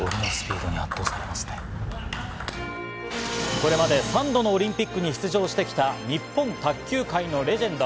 これまで３度のオリンピックに出場してきた日本卓球界のレジェンド。